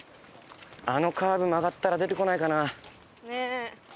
あのカーブ曲がったら出てこないかな？